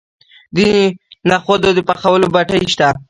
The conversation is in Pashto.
د نخودو د پخولو بټۍ شته.